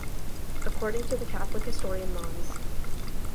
According to the Catholic historian Mons.